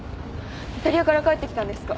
イタリアから帰ってきたんですか？